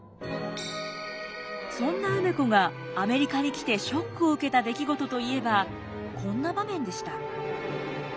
そんな梅子がアメリカに来てショックを受けた出来事といえばこんな場面でした。